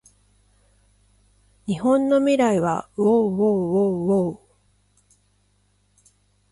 日本の未来はうぉううぉううぉううぉう